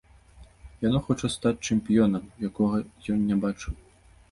Яно хоча стаць чэмпіёнам, якога ён не бачыў!